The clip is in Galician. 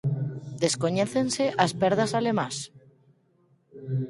Descoñécense as perdas alemás.